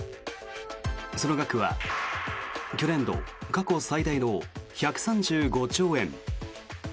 その額は去年度過去最大の１３５兆円。